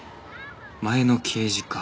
前の刑事課